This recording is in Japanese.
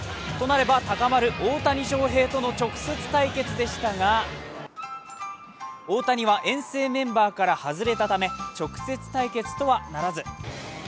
となれば高まる大谷翔平選手との直接対決でしたが大谷は遠征メンバーから外れたため、直接対決とはならず。